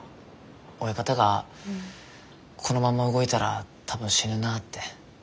親方がこのまま動いたら多分死ぬなって。